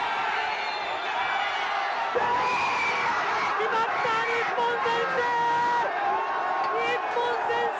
決まった、日本先制。